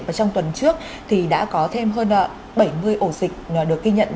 và trong tuần trước thì đã có thêm hơn bảy mươi ổ dịch được ghi nhận